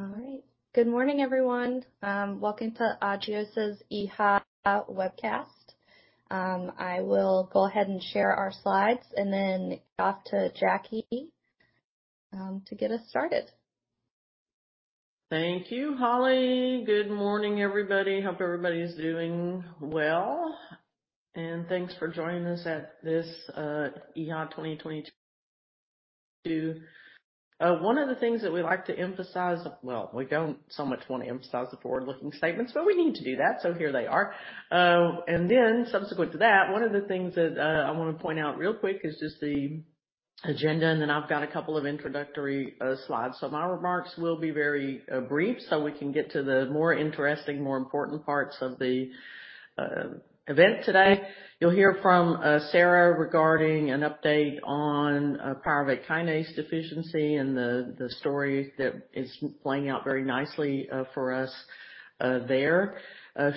All right. Good morning, everyone. Welcome to Agios' EHA webcast. I will go ahead and share our slides and then off to Jackie to get us started. Thank you, Holly. Good morning, everybody. Hope everybody's doing well, and thanks for joining us at this EHA 2022. One of the things that we like to emphasize. Well, we don't so much wanna emphasize the forward-looking statements, but we need to do that, so here they are. Subsequent to that, one of the things that I wanna point out real quick is just the agenda, and then I've got a couple of introductory slides. So my remarks will be very brief, so we can get to the more interesting, more important parts of the event today. You'll hear from Sarah regarding an update on pyruvate kinase deficiency and the story that is playing out very nicely for us there.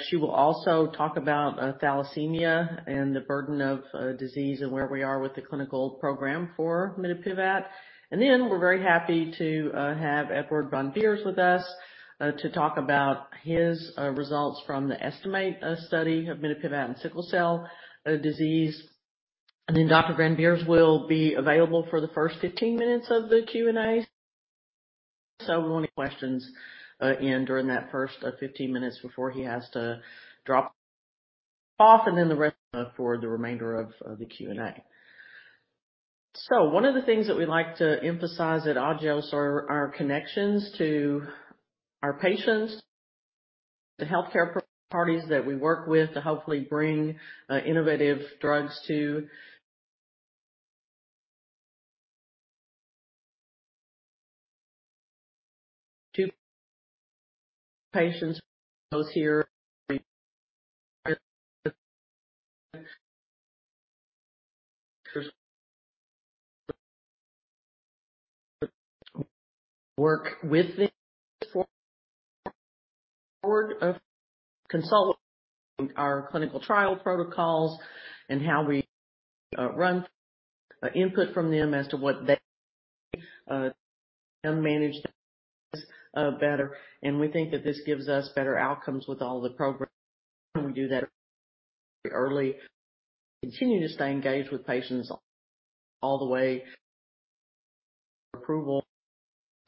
She will also talk about thalassemia and the burden of disease and where we are with the clinical program for mitapivat. We're very happy to have Eduard van Beers with us to talk about his results from the ESTIMATE study of mitapivat in sickle cell disease. Dr. Van Beers will be available for the first 15 minutes of the Q&A. We want questions during that first 15 minutes before he has to drop off, and then the rest for the remainder of the Q&A. One of the things that we like to emphasize at Agios are our connections to our patients, the healthcare parties that we work with to hopefully bring innovative drugs to patients. Those here. Work with the board of consultants, our clinical trial protocols, and how we get input from them as to what they manage better. We think that this gives us better outcomes with all the programs, and we do that early. Continue to stay engaged with patients all the way. Approval,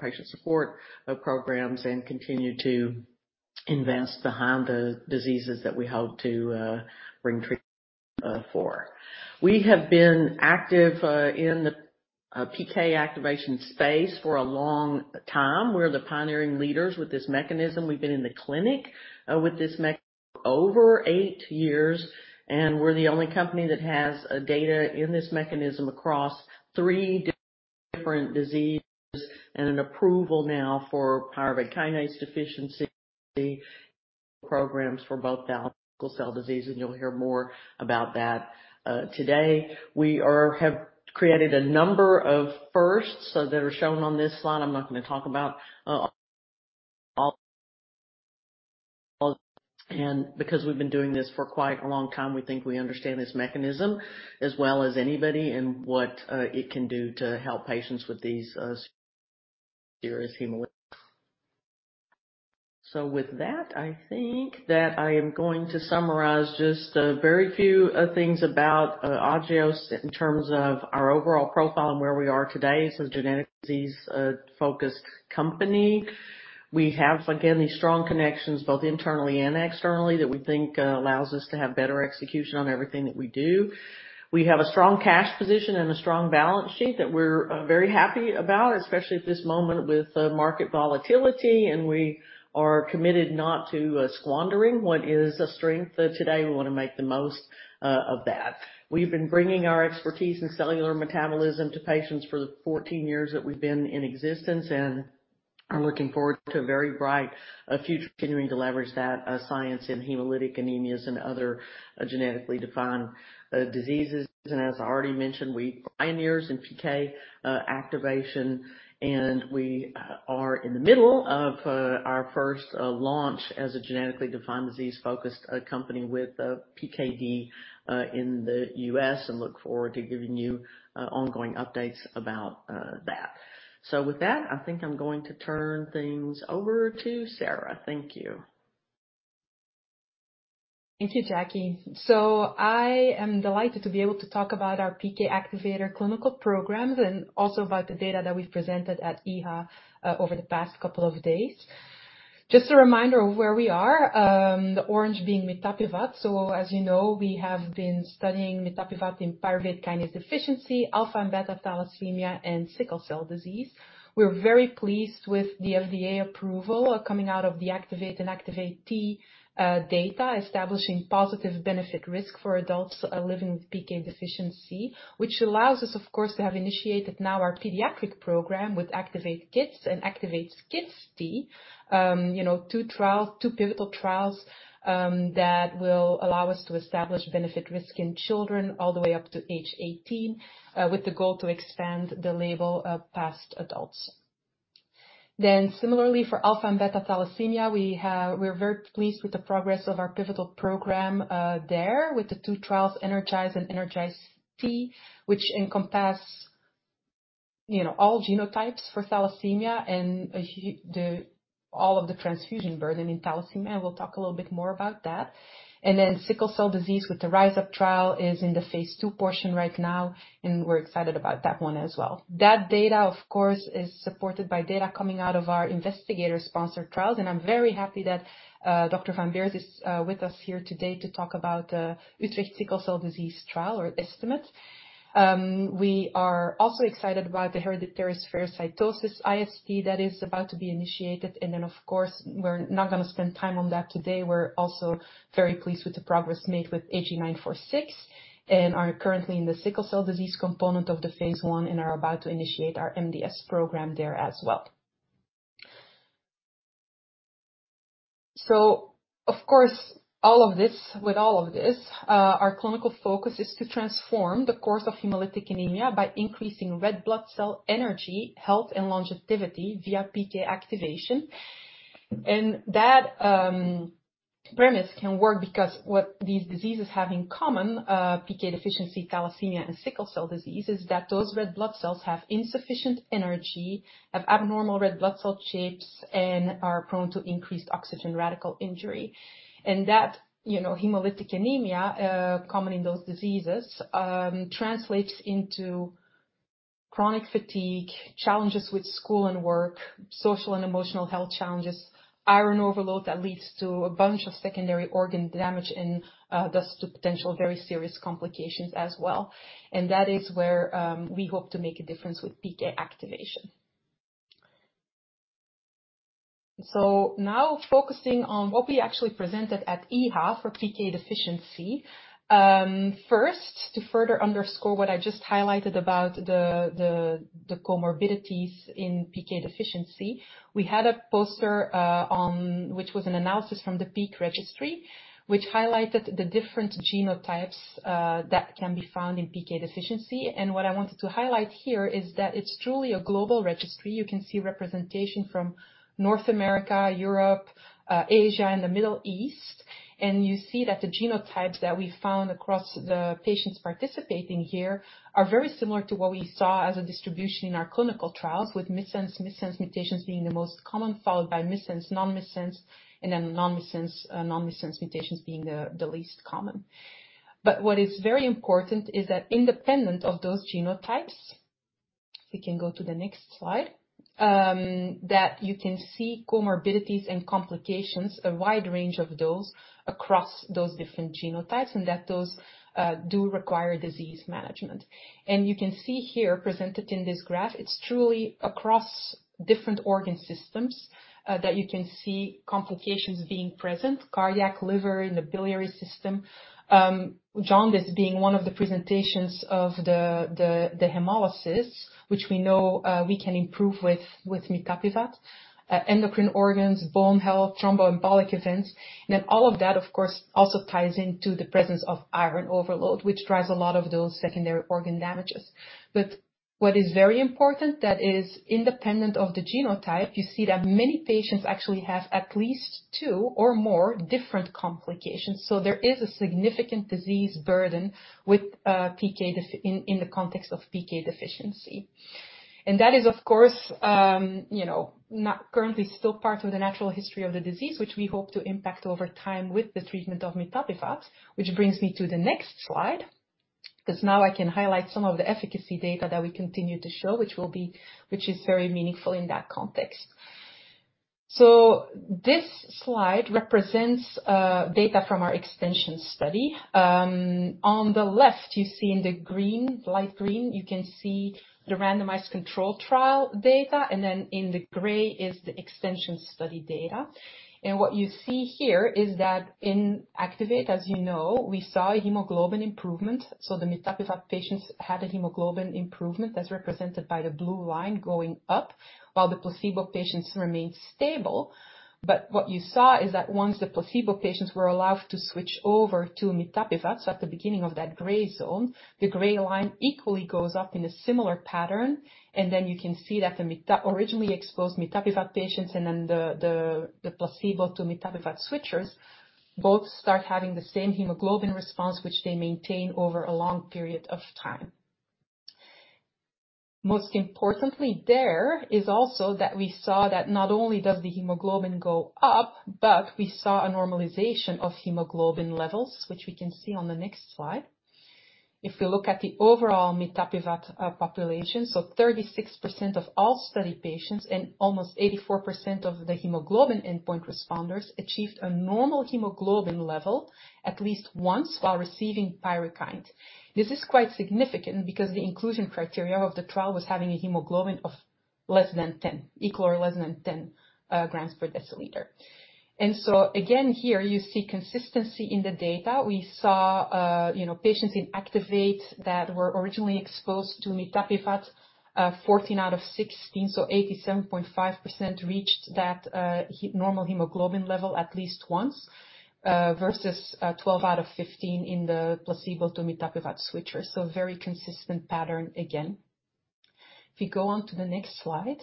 patient support programs, and continue to invest behind the diseases that we hope to bring treatment for. We have been active in the PK activation space for a long time. We're the pioneering leaders with this mechanism. We've been in the clinic with this mechanism over eight years, and we're the only company that has data in this mechanism across three different diseases and an approval now for pyruvate kinase deficiency programs for both thalassemia and sickle cell disease. You'll hear more about that today. We have created a number of firsts that are shown on this slide. Because we've been doing this for quite a long time, we think we understand this mechanism as well as anybody and what it can do to help patients with these serious hemolytic. With that, I think that I am going to summarize just a very few things about Agios in terms of our overall profile and where we are today as a genetic disease focused company. We have, again, these strong connections, both internally and externally, that we think allows us to have better execution on everything that we do. We have a strong cash position and a strong balance sheet that we're very happy about, especially at this moment with the market volatility, and we are committed not to squandering what is a strength today. We wanna make the most of that. We've been bringing our expertise in cellular metabolism to patients for the 14 years that we've been in existence, and I'm looking forward to a very bright future continuing to leverage that science in hemolytic anemias and other genetically defined diseases. As I already mentioned, we're pioneers in PK activation, and we are in the middle of our first launch as a genetically defined disease-focused company with PKD in the U.S. and look forward to giving you ongoing updates about that. With that, I think I'm going to turn things over to Sarah. Thank you. Thank you, Jackie. I am delighted to be able to talk about our PK activator clinical programs and also about the data that we've presented at EHA over the past couple of days. Just a reminder of where we are, the orange being mitapivat. As you know, we have been studying mitapivat in pyruvate kinase deficiency, alpha and beta thalassemia, and sickle cell disease. We're very pleased with the FDA approval coming out of the ACTIVATE and ACTIVATE-T data establishing positive benefit risk for adults living with PK deficiency, which allows us, of course, to have initiated now our pediatric program with ACTIVATE-Kids and ACTIVATE-KidsT. You know, two pivotal trials that will allow us to establish benefit risk in children all the way up to age 18, with the goal to expand the label past adults. Similarly for alpha and beta thalassemia, we have we're very pleased with the progress of our pivotal program there with the two trials, ENERGIZE and ENERGIZE-T, which encompass, you know, all genotypes for thalassemia and the all of the transfusion burden in thalassemia, and we'll talk a little bit more about that. Sickle cell disease with the RISE UP trial is in the phase II portion right now, and we're excited about that one as well. That data, of course, is supported by data coming out of our investigator-sponsored trials, and I'm very happy that, Dr. Van Beers is with us here today to talk about the Utrecht Sickle Cell Disease Trial or the ESTIMATE. We are also excited about the Hereditary Spherocytosis, ISS, that is about to be initiated, and then of course we're not gonna spend time on that today. We're also very pleased with the progress made with AG-946 and are currently in the sickle cell disease component of the phase I and are about to initiate our MDS program there as well. Of course, all of this. With all of this, our clinical focus is to transform the course of hemolytic anemia by increasing red blood cell energy, health, and longevity via PK activation. That premise can work because what these diseases have in common, PK deficiency, thalassemia, and sickle cell disease, is that those red blood cells have insufficient energy, have abnormal red blood cell shapes, and are prone to increased oxygen radical injury. That, you know, hemolytic anemia common in those diseases translates into chronic fatigue, challenges with school and work, social and emotional health challenges, iron overload that leads to a bunch of secondary organ damage and thus to potential very serious complications as well. That is where we hope to make a difference with PK activation. Now focusing on what we actually presented at EHA for PK deficiency. First, to further underscore what I just highlighted about the comorbidities in PK deficiency, we had a poster, which was an analysis from the Peak Registry, which highlighted the different genotypes that can be found in PK deficiency. What I wanted to highlight here is that it's truly a global registry. You can see representation from North America, Europe, Asia and the Middle East. You see that the genotypes that we found across the patients participating here are very similar to what we saw as a distribution in our clinical trials with missense mutations being the most common, followed by missense, non-missense, and then non-missense mutations being the least common. What is very important is that independent of those genotypes, if we can go to the next slide, that you can see comorbidities and complications, a wide range of those across those different genotypes, and that those do require disease management. You can see here presented in this graph, it's truly across different organ systems, that you can see complications being present, cardiac, liver, in the biliary system. Jaundice being one of the presentations of the hemolysis, which we know we can improve with mitapivat. Endocrine organs, bone health, thromboembolic events. All of that, of course, also ties into the presence of iron overload, which drives a lot of those secondary organ damages. What is very important that is independent of the genotype, you see that many patients actually have at least two or more different complications. There is a significant disease burden with PK deficiency in the context of PK deficiency. That is, of course, not currently still part of the natural history of the disease, which we hope to impact over time with the treatment of mitapivat. Which brings me to the next slide, 'cause now I can highlight some of the efficacy data that we continue to show, which is very meaningful in that context. This slide represents data from our extension study. On the left, you see in the green, light green, you can see the randomized control trial data, and then in the gray is the extension study data. What you see here is that in ACTIVATE, as you know, we saw a hemoglobin improvement, so the mitapivat patients had a hemoglobin improvement that's represented by the blue line going up while the placebo patients remained stable. What you saw is that once the placebo patients were allowed to switch over to mitapivat, so at the beginning of that gray zone, the gray line equally goes up in a similar pattern, and then you can see that the originally exposed mitapivat patients and then the placebo to mitapivat switchers both start having the same hemoglobin response, which they maintain over a long period of time. Most importantly there is also that we saw that not only does the hemoglobin go up, but we saw a normalization of hemoglobin levels, which we can see on the next slide. If we look at the overall mitapivat population, 36% of all study patients and almost 84% of the hemoglobin endpoint responders achieved a normal hemoglobin level at least once while receiving PYRUKYND. This is quite significant because the inclusion criteria of the trial was having a hemoglobin of less than 10, equal or less than 10 g/dL. Again, here you see consistency in the data. We saw, you know, patients in ACTIVATE that were originally exposed to mitapivat, 14 out of 16, 87.5% reached that normal hemoglobin level at least once, versus 12 out of 15 in the placebo to mitapivat switchers. Very consistent pattern again. If you go on to the next slide.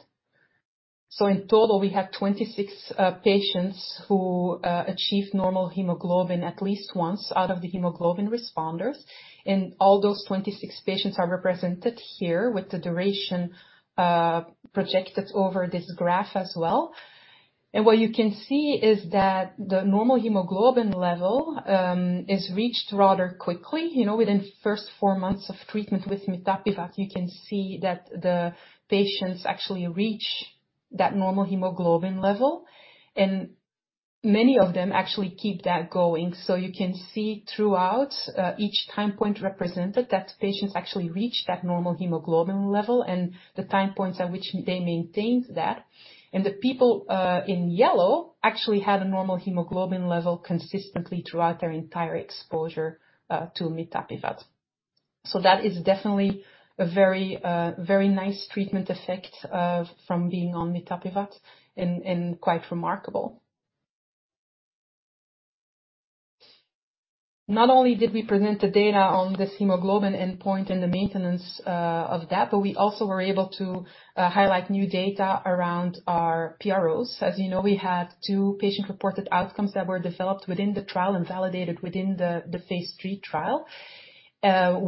In total, we had 26 patients who achieved normal hemoglobin at least once out of the hemoglobin responders. All those 26 patients are represented here with the duration projected over this graph as well. What you can see is that the normal hemoglobin level is reached rather quickly, you know, within the first four months of treatment with mitapivat. You can see that the patients actually reach that normal hemoglobin level, and many of them actually keep that going. You can see throughout each time point represented that patients actually reach that normal hemoglobin level and the time points at which they maintained that. The people in yellow actually had a normal hemoglobin level consistently throughout their entire exposure to mitapivat. That is definitely a very, very nice treatment effect from being on mitapivat and quite remarkable. Not only did we present the data on this hemoglobin endpoint and the maintenance of that, but we also were able to highlight new data around our PROs. As you know, we had two patient-reported outcomes that were developed within the trial and validated within the phase III trial.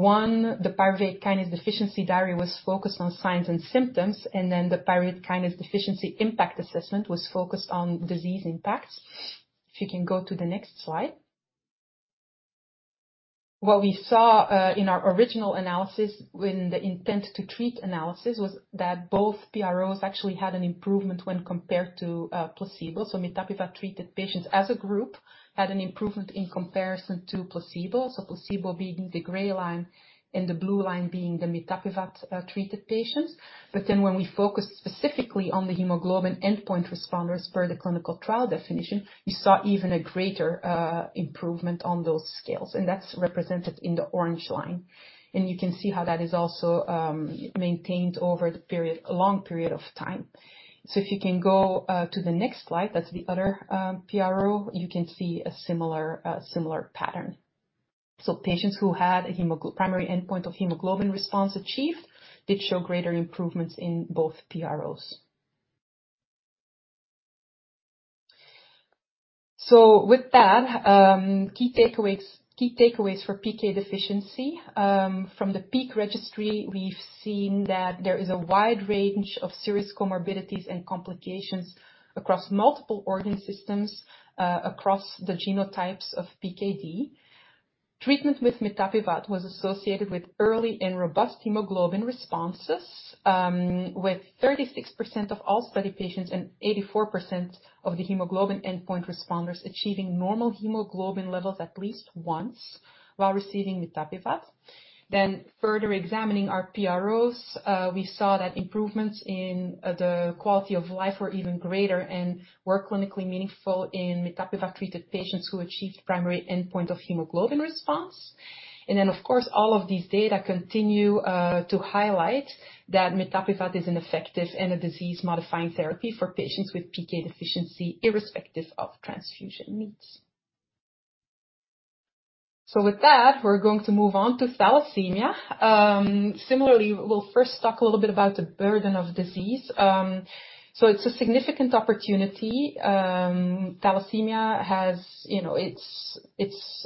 One, the Pyruvate Kinase Deficiency Diary was focused on signs and symptoms, and then the Pyruvate Kinase Deficiency Impact Assessment was focused on disease impact. If you can go to the next slide. What we saw in our original analysis when the intent-to-treat analysis was that both PROs actually had an improvement when compared to placebo. Mitapivat-treated patients as a group had an improvement in comparison to placebo. Placebo being the gray line and the blue line being the mitapivat treated patients. Then when we focused specifically on the hemoglobin endpoint responders per the clinical trial definition, you saw even a greater improvement on those scales, and that's represented in the orange line. You can see how that is also maintained over the period, a long period of time. If you can go to the next slide, that's the other PRO. You can see a similar pattern. Patients who had a primary endpoint of hemoglobin response achieved did show greater improvements in both PROs. With that, key takeaways for PK deficiency. From the Peak Registry, we've seen that there is a wide range of serious comorbidities and complications across multiple organ systems across the genotypes of PKD. Treatment with mitapivat was associated with early and robust hemoglobin responses, with 36% of all study patients and 84% of the hemoglobin endpoint responders achieving normal hemoglobin levels at least once while receiving mitapivat. Further examining our PROs, we saw that improvements in the quality of life were even greater and were clinically meaningful in mitapivat-treated patients who achieved primary endpoint of hemoglobin response. Of course, all of these data continue to highlight that mitapivat is an effective and a disease-modifying therapy for patients with PK deficiency, irrespective of transfusion needs. With that, we're going to move on to thalassemia. Similarly, we'll first talk a little bit about the burden of disease. It's a significant opportunity. Thalassemia has, you know, it's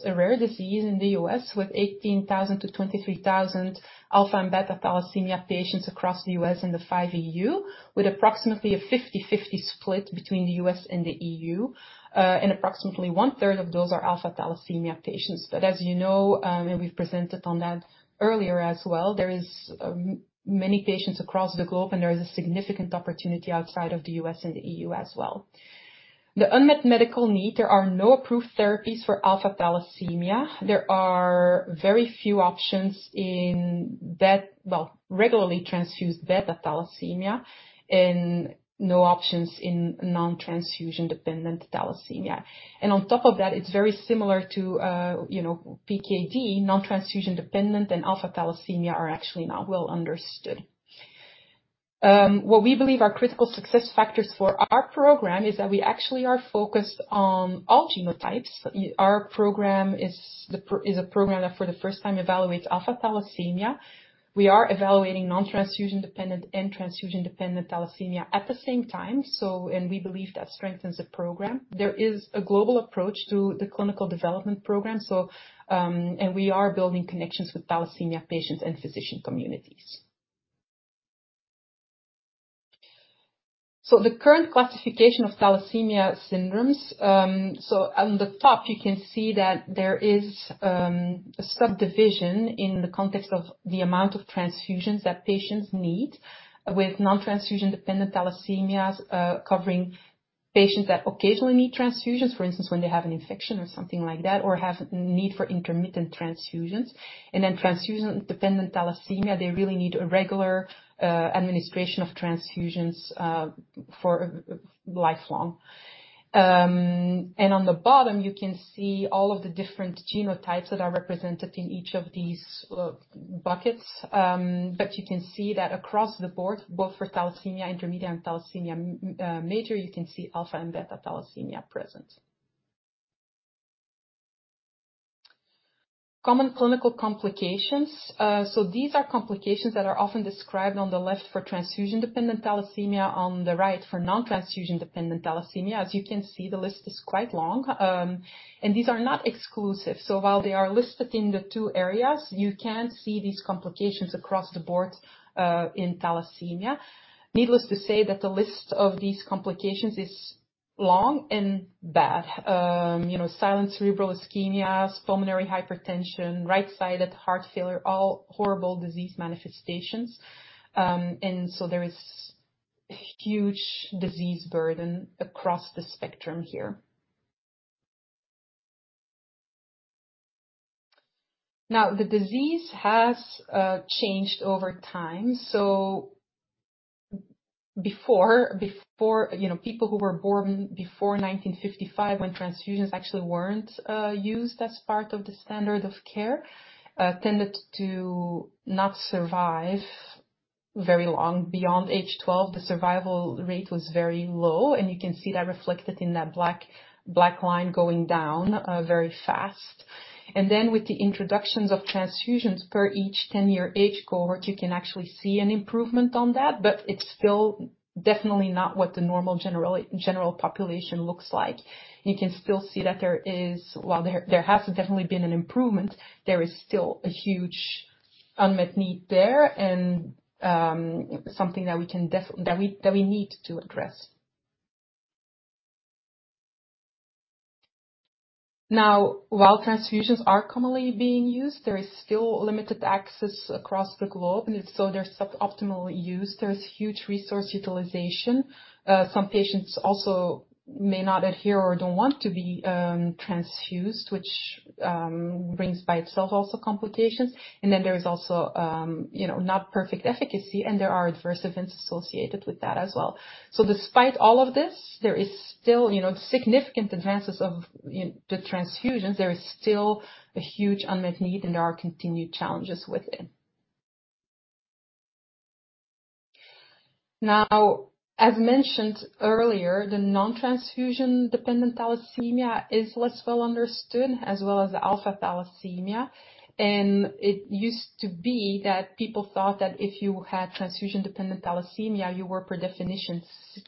a rare disease in the U.S., with 18,000-23,000 alpha and beta thalassemia patients across the U.S. and the EU5, with approximately a 50-50 split between the U.S. and the EU. Approximately one-third of those are alpha thalassemia patients. As you know, and we've presented on that earlier as well, there is many patients across the globe, and there is a significant opportunity outside of the U.S. and the EU as well. The unmet medical need, there are no approved therapies for alpha thalassemia. There are very few options in beta, well, regularly transfused beta thalassemia and no options in non-transfusion dependent thalassemia. On top of that, it's very similar to, you know, PKD. Non-transfusion dependent and alpha thalassemia are actually not well understood. What we believe are critical success factors for our program is that we actually are focused on all genotypes. Our program is a program that for the first time evaluates alpha-thalassemia. We are evaluating non-transfusion-dependent and transfusion-dependent thalassemia at the same time, and we believe that strengthens the program. There is a global approach to the clinical development program, and we are building connections with thalassemia patients and physician communities. The current classification of thalassemia syndromes. On the top you can see that there is a subdivision in the context of the amount of transfusions that patients need. With non-transfusion-dependent thalassemias, covering patients that occasionally need transfusions, for instance, when they have an infection or something like that, or have need for intermittent transfusions. Transfusion-dependent thalassemia, they really need a regular administration of transfusions for lifelong. On the bottom, you can see all of the different genotypes that are represented in each of these buckets. You can see that across the board, both for thalassemia intermediate and thalassemia major, you can see alpha and beta thalassemia present. Common clinical complications. These are complications that are often described on the left for transfusion-dependent thalassemia, on the right for non-transfusion dependent thalassemia. As you can see, the list is quite long, and these are not exclusive. While they are listed in the two areas, you can see these complications across the board in thalassemia. Needless to say that the list of these complications is long and bad. You know, silent cerebral ischemia, pulmonary hypertension, right-sided heart failure, all horrible disease manifestations. There is huge disease burden across the spectrum here. Now, the disease has changed over time. Before, you know, people who were born before 1955, when transfusions actually weren't used as part of the standard of care, tended to not survive very long. Beyond age 12, the survival rate was very low, and you can see that reflected in that black line going down very fast. Then with the introductions of transfusions per each 10-year age cohort, you can actually see an improvement on that, but it's still definitely not what the normal general population looks like. You can still see that there has definitely been an improvement, there is still a huge unmet need there and something that we need to address. Now, while transfusions are commonly being used, there is still limited access across the globe, and it's so they're suboptimally used. There's huge resource utilization. Some patients also may not adhere or don't want to be transfused, which brings by itself also complications. There is also, you know, not perfect efficacy, and there are adverse events associated with that as well. Despite all of this, there is still, you know, significant advantages of the transfusions. There is still a huge unmet need, and there are continued challenges within. Now, as mentioned earlier, the non-transfusion dependent thalassemia is less well understood, as well as alpha thalassemia. It used to be that people thought that if you had transfusion dependent thalassemia, you were, by definition,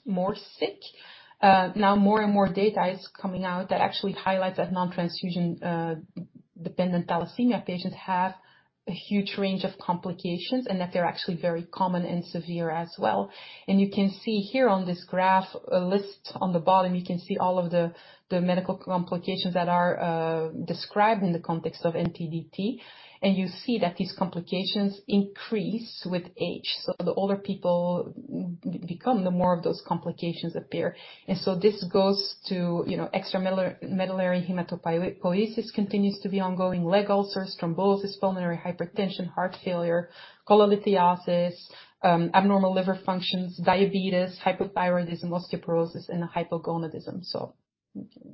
more sick. Now more and more data is coming out that actually highlights that non-transfusion-dependent thalassemia patients have a huge range of complications and that they're actually very common and severe as well. You can see here on this graph, a list on the bottom, you can see all of the medical complications that are described in the context of NTDT. You see that these complications increase with age. The older people become, the more of those complications appear. This goes to, you know, extramedullary hematopoiesis continues to be ongoing. Leg ulcers, thrombosis, pulmonary hypertension, heart failure, cholelithiasis, abnormal liver functions, diabetes, hypothyroidism, osteoporosis, and hypogonadism.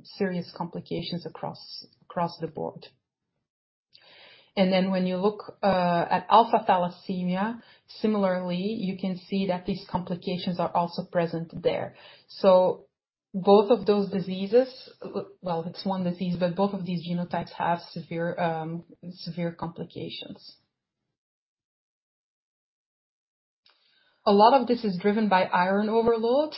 Serious complications across the board. Then when you look at alpha thalassemia, similarly, you can see that these complications are also present there. Both of those diseases... Well, it's one disease, but both of these genotypes have severe complications. A lot of this is driven by iron overload.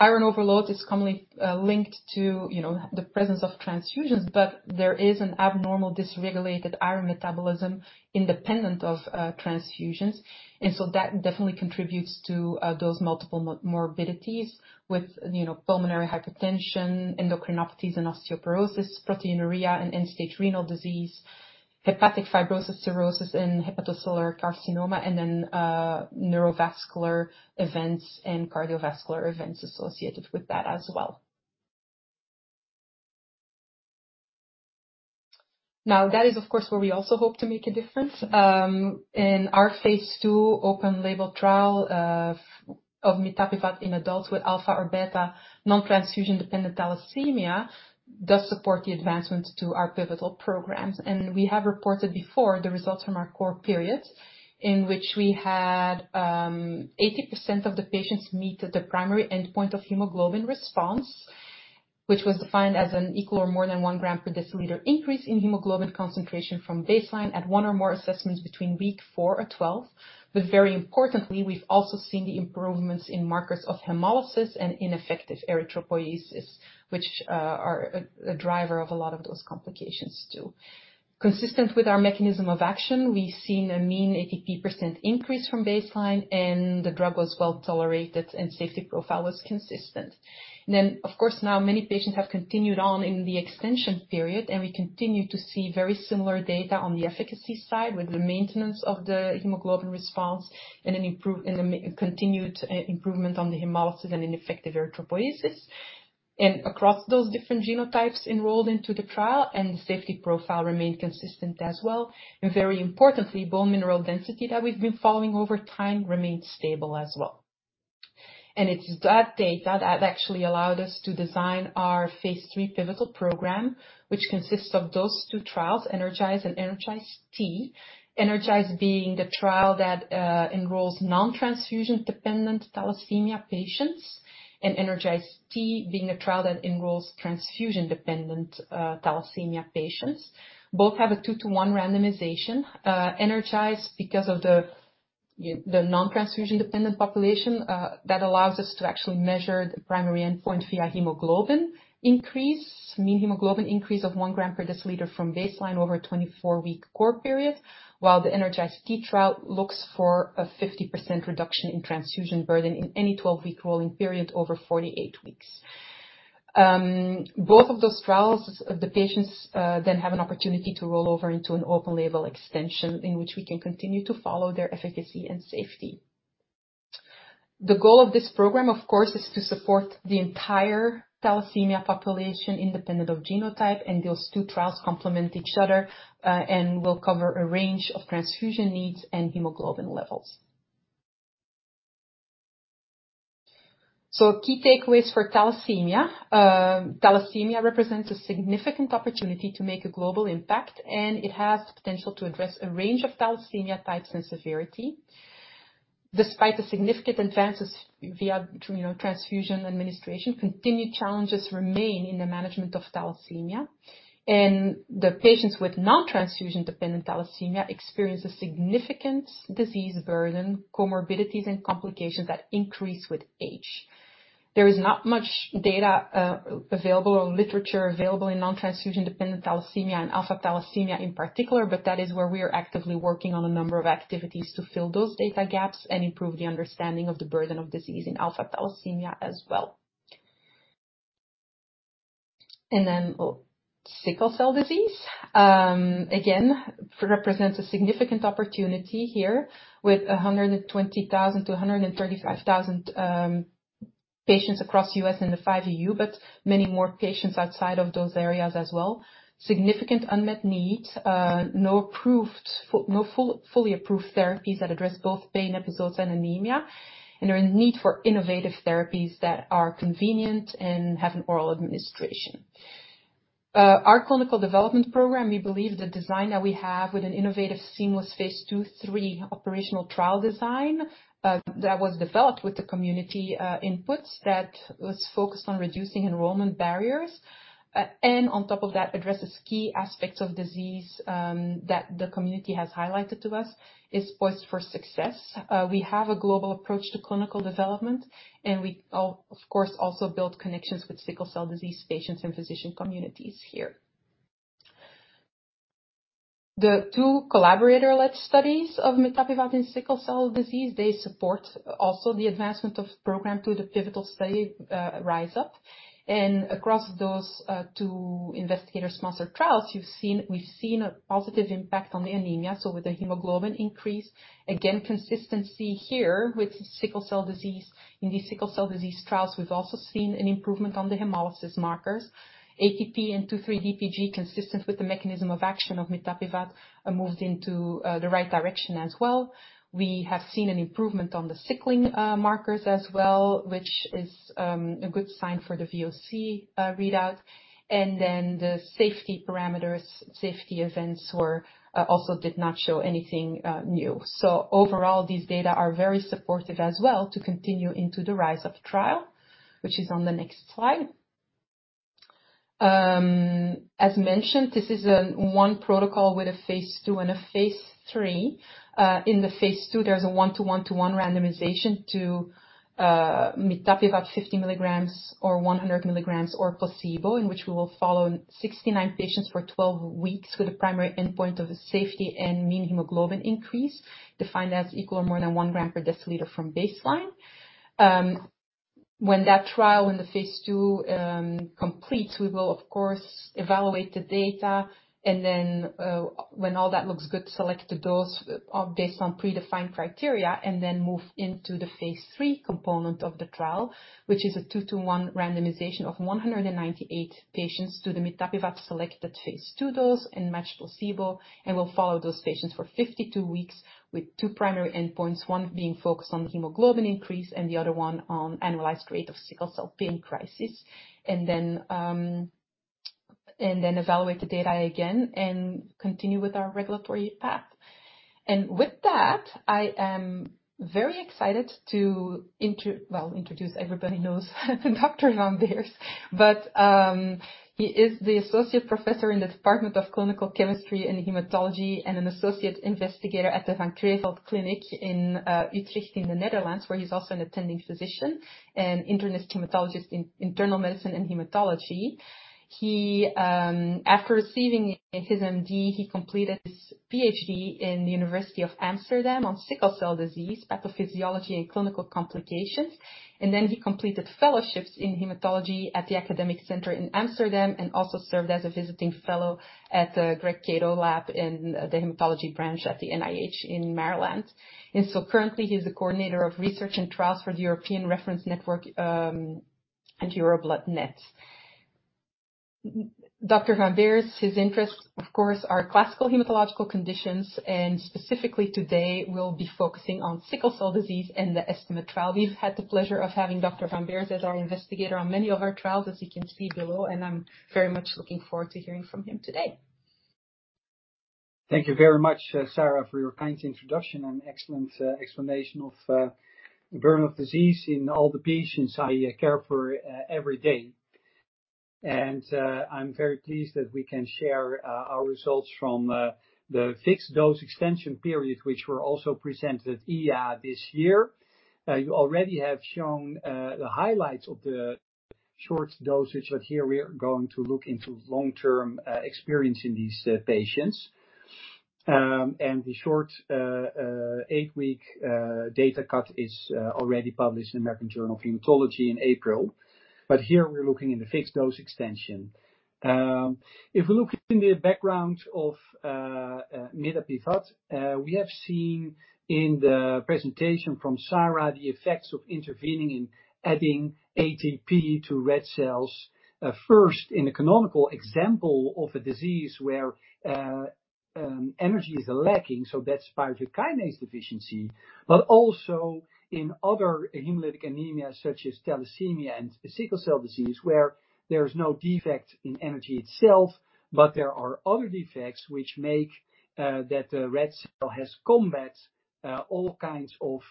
Iron overload is commonly linked to, you know, the presence of transfusions, but there is an abnormal dysregulated iron metabolism independent of transfusions. That definitely contributes to those multiple comorbidities with, you know, pulmonary hypertension, endocrinopathies and osteoporosis, proteinuria and end-stage renal disease, hepatic fibrosis, cirrhosis and hepatocellular carcinoma, and then neurovascular events and cardiovascular events associated with that as well. Now, that is, of course, where we also hope to make a difference. Our phase II open-label trial of mitapivat in adults with alpha or beta non-transfusion-dependent thalassemia does support the advancement to our pivotal programs. We have reported before the results from our core period in which we had 80% of the patients meet the primary endpoint of hemoglobin response, which was defined as an equal or more than 1 g/dL increase in hemoglobin concentration from baseline at one or more assessments between week four or 12. Very importantly, we've also seen the improvements in markers of hemolysis and ineffective erythropoiesis, which are a driver of a lot of those complications too. Consistent with our mechanism of action, we've seen a mean ATP per cent increase from baseline, and the drug was well-tolerated and safety profile was consistent. Of course, now many patients have continued on in the extension period, and we continue to see very similar data on the efficacy side with the maintenance of the hemoglobin response and a continued improvement on the hemolysis and ineffective erythropoiesis. Across those different genotypes enrolled into the trial, the safety profile remained consistent as well. Very importantly, bone mineral density that we've been following over time remained stable as well. It's that data that actually allowed us to design our phase III pivotal program, which consists of those two trials, ENERGIZE and ENERGIZE-T. ENERGIZE being the trial that enrolls non-transfusion dependent thalassemia patients and ENERGIZE-T being a trial that enrolls transfusion-dependent thalassemia patients. Both have a two to one randomization. ENERGIZE, because of the non-transfusion dependent population, that allows us to actually measure the primary endpoint via hemoglobin increase. Mean hemoglobin increase of 1 g/dL from baseline over a 24-week core period. While the ENERGIZE-T trial looks for a 50% reduction in transfusion burden in any 12-week rolling period over 48 weeks. Both of those trials, the patients, then have an opportunity to roll over into an open-label extension in which we can continue to follow their efficacy and safety. The goal of this program, of course, is to support the entire thalassemia population independent of genotype. Those two trials complement each other, and will cover a range of transfusion needs and hemoglobin levels. Key takeaways for thalassemia. Thalassemia represents a significant opportunity to make a global impact, and it has the potential to address a range of thalassemia types and severity. Despite the significant advances via, you know, transfusion administration, continued challenges remain in the management of thalassemia. The patients with non-transfusion dependent thalassemia experience a significant disease burden, comorbidities and complications that increase with age. There is not much data, available or literature available in non-transfusion dependent thalassemia and alpha thalassemia in particular, but that is where we are actively working on a number of activities to fill those data gaps and improve the understanding of the burden of disease in alpha thalassemia as well. Sickle cell disease again represents a significant opportunity here with 120,000 to 135,000 patients across the US and the EU5, but many more patients outside of those areas as well. Significant unmet need. No fully approved therapies that address both pain episodes and anemia. There is a need for innovative therapies that are convenient and have an oral administration. Our clinical development program, we believe the design that we have with an innovative seamless phase II/ III operational trial design that was developed with the community inputs that was focused on reducing enrollment barriers and on top of that addresses key aspects of disease that the community has highlighted to us is poised for success. We have a global approach to clinical development, and we of course also build connections with sickle cell disease patients and physician communities here. The two collaborator-led studies of mitapivat in sickle cell disease. They support also the advancement of the program to the pivotal study, RISE UP. Across those two investigator-sponsored trials, we've seen a positive impact on the anemia. With the hemoglobin increase. Again, consistency here with sickle cell disease. In the sickle cell disease trials, we've also seen an improvement on the hemolysis markers. ATP and 2,3-DPG, consistent with the mechanism of action of mitapivat, moved into the right direction as well. We have seen an improvement on the sickling markers as well, which is a good sign for the VOC readout. The safety parameters. Safety events also did not show anything new. Overall, these data are very supportive as well to continue into the RISE UP trial, which is on the next slide. As mentioned, this is one protocol with a phase II and a phase III. In the phase III, there's a one-to-one-to-one randomization to mitapivat 50 mg or 100 mg or placebo, in which we will follow 69 patients for 12 weeks with a primary endpoint of the safety and mean hemoglobin increase defined as equal or more than 1 g/dL from baseline. When that trial in the phase II completes, we will of course evaluate the data and then, when all that looks good, select the dose based on predefined criteria and then move into the phase III component of the trial, which is a two to one randomization of 198 patients to the mitapivat selected phase II dose and matched placebo and will follow those patients for 52 weeks with two primary endpoints, one being focused on hemoglobin increase and the other one on annualized rate of sickle cell pain crisis, and then evaluate the data again and continue with our regulatory path. With that, I am very excited to introduce everybody knows Dr. Van Beers, he is the associate professor in the Department of Clinical Chemistry and Hematology and an associate investigator at the Van Creveldkliniek in Utrecht in the Netherlands, where he's also an attending physician, an internist hematologist in internal medicine and hematology. He, after receiving his MD, he completed his PhD in the University of Amsterdam on sickle cell disease pathophysiology and clinical complications. Then he completed fellowships in hematology at the Academic Medical Center in Amsterdam and also served as a visiting fellow at the Gregory Kato Lab in the hematology branch at the NIH in Maryland. Currently he's the coordinator of research and trials for the European Reference Network and EuroBloodNet. Dr. van Beers, his interests, of course, are classical hematological conditions and specifically today will be focusing on sickle cell disease and the ESTIMATE trial. We've had the pleasure of having Dr. van Beers as our investigator on many of our trials, as you can see below, and I'm very much looking forward to hearing from him today. Thank you very much, Sarah, for your kind introduction and excellent explanation of the burden of disease in all the patients I care for every day. I'm very pleased that we can share our results from the fixed-dose extension period, which were also presented at EHA this year. You already have shown the highlights of the short dosage, but here we are going to look into long-term experience in these patients. The short eight week data cut is already published in American Journal of Hematology in April. We're looking in the fixed-dose extension. If we look in the background of mitapivat, we have seen in the presentation from Sarah the effects of intervening and adding ATP to red cells. First in a canonical example of a disease where energy is lacking, so that's pyruvate kinase deficiency. Also in other hemolytic anemia such as thalassemia and sickle cell disease, where there is no defect in energy itself, but there are other defects which make that the red cell has to combat all kinds of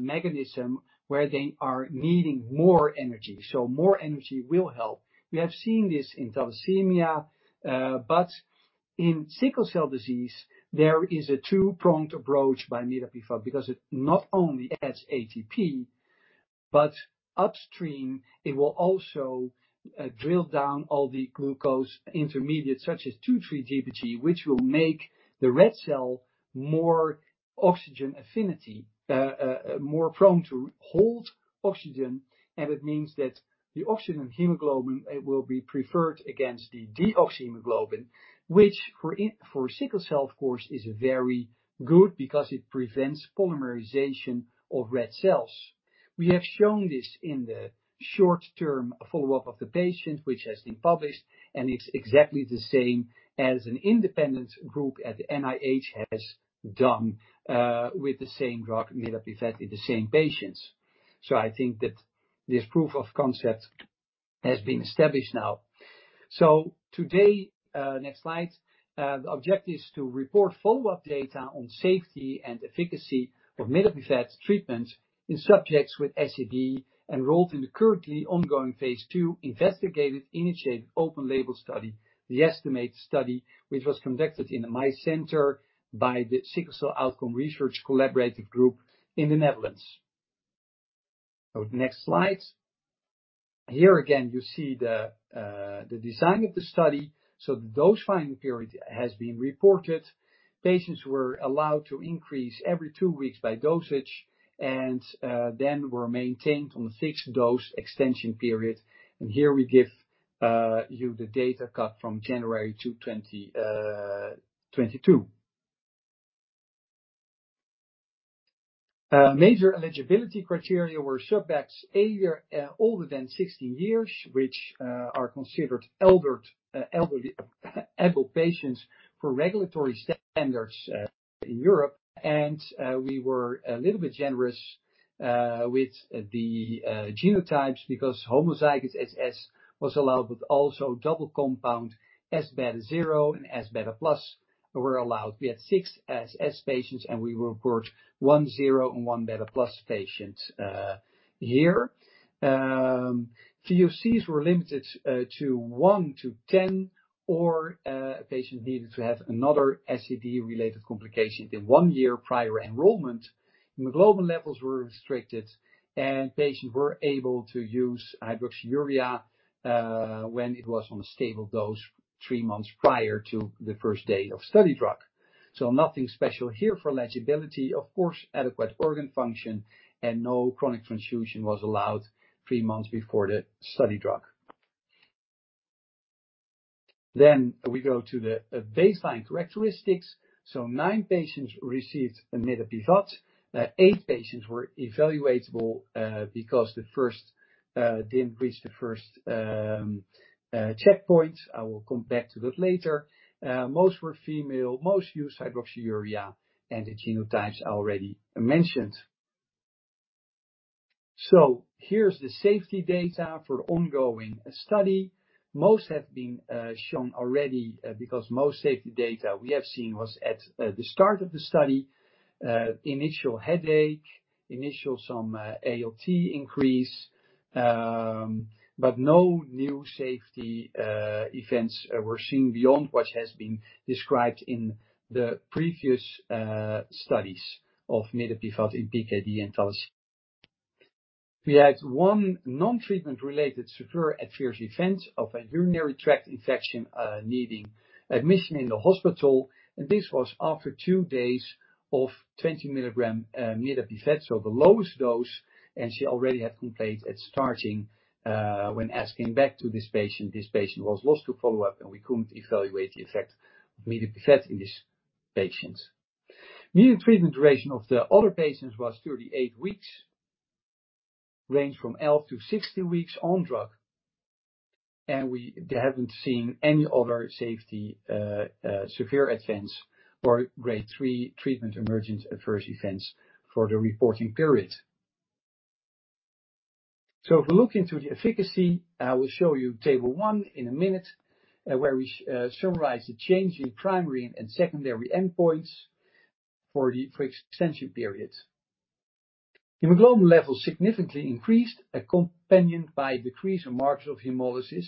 mechanism where they are needing more energy. More energy will help. We have seen this in thalassemia, but in sickle cell disease, there is a two-pronged approach by mitapivat because it not only adds ATP, but upstream, it will also draw down all the glucose intermediates, such as 2,3-DPG, which will make the red cell more oxygen affinity. More prone to hold oxygen, and it means that the oxyhemoglobin it will be preferred against the deoxyhemoglobin. Which for sickle cell, of course, is very good because it prevents polymerization of red cells. We have shown this in the short-term follow-up of the patient, which has been published, and it's exactly the same as an independent group at the NIH has done with the same drug, mitapivat, in the same patients. I think that this proof of concept has been established now. Today, next slide, the objective is to report follow-up data on safety and efficacy of mitapivat treatment in subjects with SCD enrolled in the currently ongoing phase II investigator-initiated open-label study, the ESTIMATE study, which was conducted in my center by the SCORE Consortium in the Netherlands. The next slide. Here again, you see the design of the study. The dose finding period has been reported. Patients were allowed to increase every two weeks by dosage and then were maintained on the fixed-dose extension period. Here we give you the data cut from January 2022. Major eligibility criteria were subjects 18 years or older, which are considered adult patients for regulatory standards in Europe. We were a little bit generous with the genotypes because homozygous SS was allowed, but also S beta zero and S beta plus were allowed. We had six SS patients, one S beta zero, and one S beta plus patient here. VOCs were limited to 1-10, or a patient needed to have another SCD-related complications in one year prior enrollment. Hemoglobin levels were restricted, and patients were able to use hydroxyurea when it was on a stable dose three months prior to the first day of study drug. Nothing special here for eligibility. Of course, adequate organ function and no chronic transfusion was allowed three months before the study drug. We go to the baseline characteristics. Nine patients received mitapivat. Eight patients were evaluatable, because the first didn't reach the first checkpoint. I will come back to that later. Most were female, most used hydroxyurea, and the genotypes I already mentioned. Here's the safety data for ongoing study. Most have been shown already, because most safety data we have seen was at the start of the study. Initial headache, initial some ALT increase, but no new safety events were seen beyond what has been described in the previous studies of mitapivat in PKD and thalassemia. We had one non-treatment related severe adverse event of a urinary tract infection, needing admission in the hospital, and this was after two days of 20 mg mitapivat, so the lowest dose. She already had complained at starting, when asking back to this patient, this patient was lost to follow-up, and we couldn't evaluate the effect of mitapivat in this patient. Mean treatment duration of the other patients was 38 weeks, ranged from 11-16 weeks on drug, and we haven't seen any other safety severe events or grade three treatment-emergent adverse events for the reporting period. If we look into the efficacy, I will show you table one in a minute, where we summarize the change in primary and secondary endpoints for the extension period. Hemoglobin levels significantly increased, accompanied by a decrease in markers of hemolysis,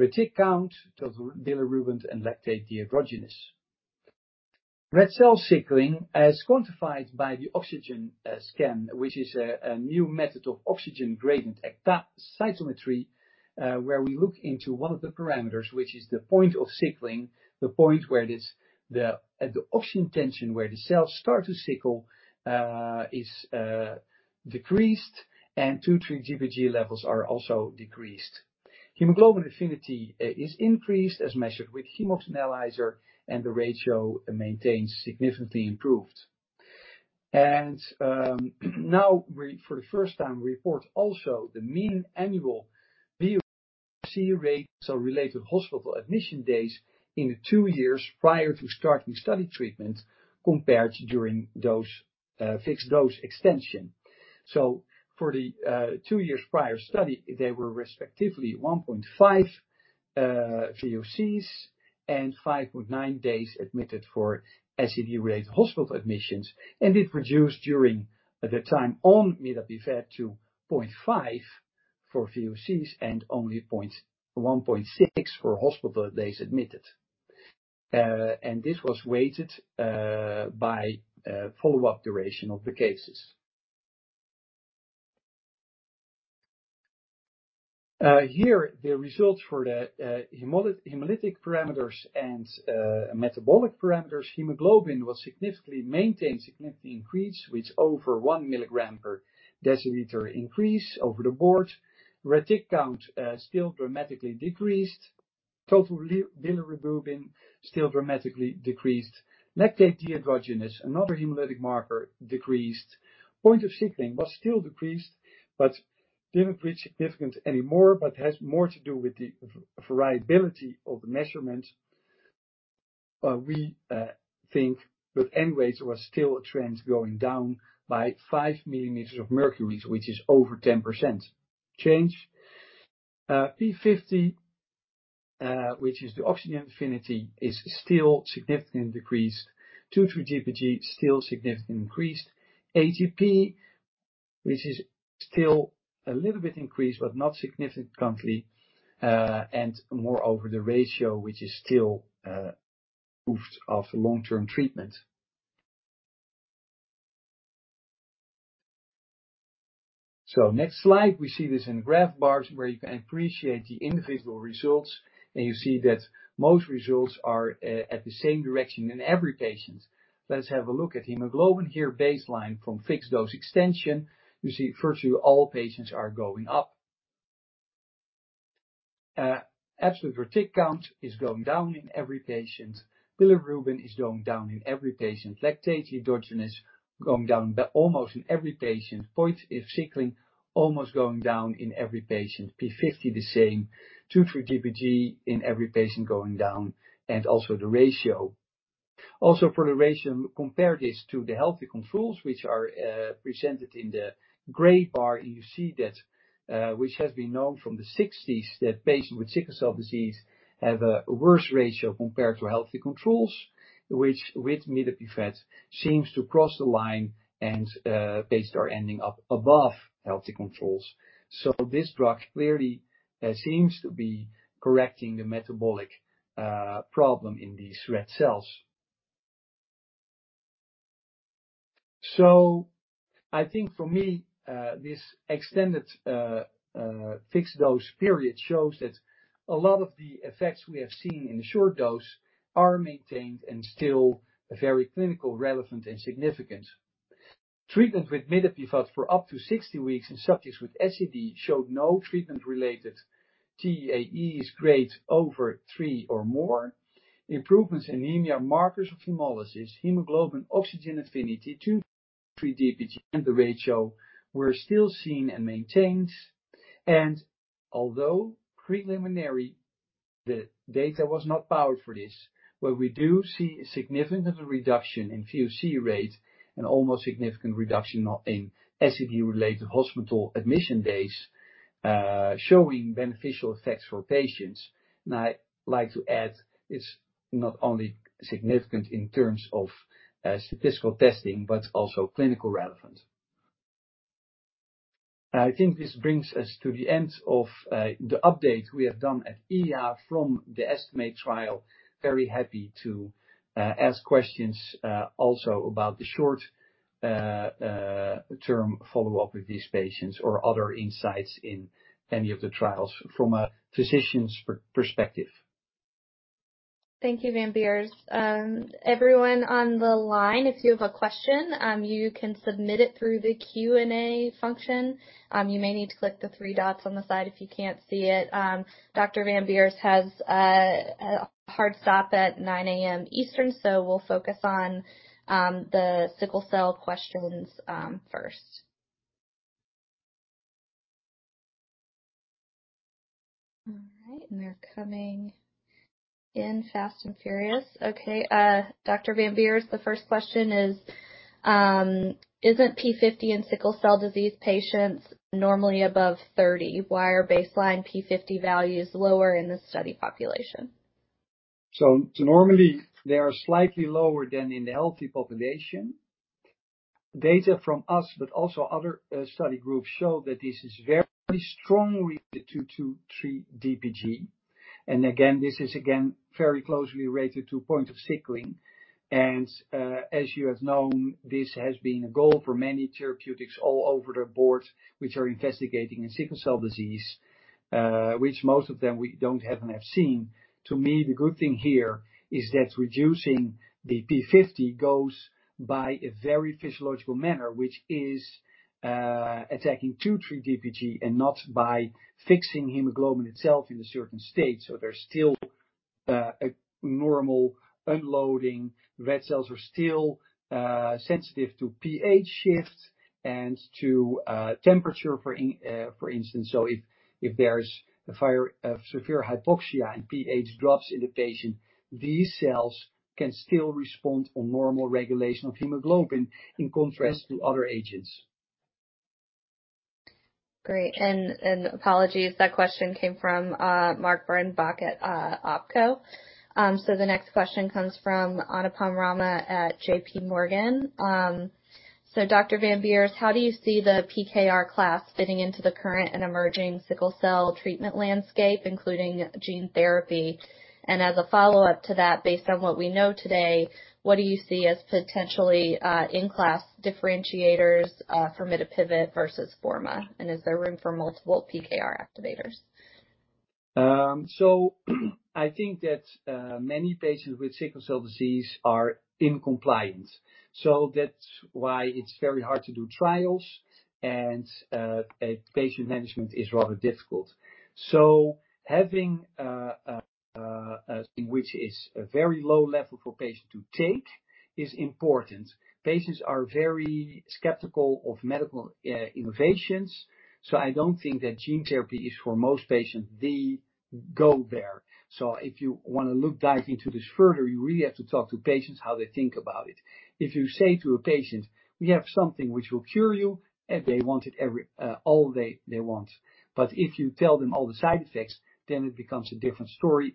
retic count, total bilirubin, and lactate dehydrogenase. Red cell sickling as quantified by the oxygen scan, which is a new method of oxygen gradient ektacytometry, where we look into one of the parameters, which is the point of sickling, at the oxygen tension where the cells start to sickle, is decreased and 2,3-DPG levels are also decreased. Hemoglobin affinity is increased as measured with Hemox analyzer, and the ratio maintained significantly improved. Now we for the first time, we report also the mean annual VOC rates or related hospital admission days in the two years prior to starting study treatment compared during dose, fixed dose extension. For the two years prior study, they were respectively 1.5 VOCs and 5.9 days admitted for SCD-related hospital admissions. It reduced during the time on mitapivat to 0.5 for VOCs and only 1.6 for hospital days admitted. This was weighted by follow-up duration of the cases. Here the results for the hemolytic parameters and metabolic parameters. Hemoglobin was significantly maintained, significantly increased, with over 1 milligram per deciliter increase over the board. Retic count still dramatically decreased. Total bilirubin still dramatically decreased. Lactate dehydrogenase, another hemolytic marker, decreased. Point of sickling was still decreased but didn't reach significance anymore, but has more to do with the variability of the measurement. We think but anyways there was still a trend going down by 5 mm of mercury, which is over 10% change. P50, which is the oxygen affinity, is still significantly decreased. 2,3-DPG still significantly increased. ATP, which is still a little bit increased but not significantly, and moreover, the ratio, which is still improved after long-term treatment. Next slide, we see this in the bar graphs where you can appreciate the individual results, and you see that most results are in the same direction in every patient. Let's have a look at hemoglobin here, baseline from fixed-dose extension. You see virtually all patients are going up. Absolute retic count is going down in every patient. Bilirubin is going down in every patient. Lactate dehydrogenase going down by almost in every patient. Point of sickling almost going down in every patient. P50 the same. 2,3-DPG in every patient going down, and also the ratio. Also for the ratio, compare this to the healthy controls which are presented in the gray bar, and you see that, which has been known from the sixties, that patients with sickle cell disease have a worse ratio compared to healthy controls, which with mitapivat seems to cross the line and patients are ending up above healthy controls. This drug clearly seems to be correcting the metabolic problem in these red cells. I think for me, this extended, fixed-dose period shows that a lot of the effects we have seen in the short dose are maintained and still very clinically relevant and significant. Treatment with mitapivat for up to 60 weeks in subjects with SCD showed no treatment-related TEAEs grade over three or more. Improvements in anemia, markers of hemolysis, hemoglobin, oxygen affinity, 2,3-DPG and the ratio were still seen and maintained. Although preliminary, the data was not powered for this, but we do see a significant reduction in VOC rate and almost significant reduction in SCD-related hospital admission days, showing beneficial effects for patients. I'd like to add, it's not only significant in terms of statistical testing but also clinical relevance. I think this brings us to the end of the update we have done at EHA from the ESTIMATE trial. Very happy to ask questions also about the short term follow-up with these patients or other insights in any of the trials from a physician's perspective. Thank you, van Beers. Everyone on the line, if you have a question, you can submit it through the Q&A function. You may need to click the three dots on the side if you can't see it. Dr. van Beers has a hard stop at 9 A.M. Eastern, so we'll focus on the sickle cell questions first. All right. They're coming in fast and furious. Okay. Dr. van Beers, the first question is, isn't P50 in sickle cell disease patients normally above 30? Why are baseline P50 values lower in the study population? Normally they are slightly lower than in the healthy population. Data from us, but also other study groups show that this is very strongly tied to 2,3-DPG. Again, this is very closely related to point of sickling. As you have known, this has been a goal for many therapeutics all over the board, which are investigating in sickle cell disease, which most of them we haven't seen. To me, the good thing here is that reducing the P50 goes by a very physiological manner, which is attacking 2,3-DPG and not by fixing hemoglobin itself in a certain state. There's still a normal unloading. Red cells are still sensitive to pH shifts and to temperature, for instance. If there's a fire, severe hypoxia and pH drops in the patient, these cells can still respond on normal regulation of hemoglobin, in contrast to other agents. Great. Apologies. That question came from Marc Frahm at Oppenheimer & Co. The next question comes from Anupam Rama at J.P. Morgan. Dr. van Beers, how do you see the PKR class fitting into the current and emerging sickle cell treatment landscape, including gene therapy? As a follow-up to that, based on what we know today, what do you see as potentially in-class differentiators for mitapivat versus Forma? Is there room for multiple PKR activators? I think that many patients with sickle cell disease are noncompliant. That's why it's very hard to do trials and a patient management is rather difficult. Having a thing which is a very low level for patient to take is important. Patients are very skeptical of medical innovations, so I don't think that gene therapy is for most patients, the go there. If you want to dive into this further, you really have to talk to patients, how they think about it. If you say to a patient, "We have something which will cure you," they want it every, all they want. If you tell them all the side effects, then it becomes a different story,